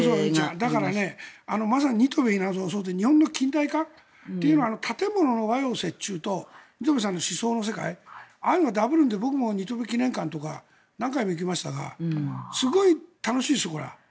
だから、まさに新渡戸稲造はそうで日本の近代化というのは建物は和洋折衷と新渡戸さんの思想ああいうのがダブるので僕も新渡戸記念館とか何回も行きましたがすごい楽しいです。